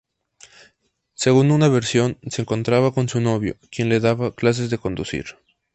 Según una versión, se encontraba con su novio, quien le daba clases de conducir.